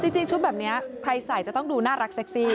จริงชุดแบบนี้ใครใส่จะต้องดูน่ารักเซ็กซี่